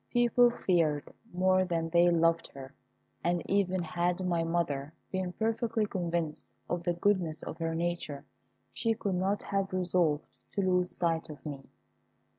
People feared more than they loved her; and even had my mother been perfectly convinced of the goodness of her nature, she could not have resolved to lose sight of me.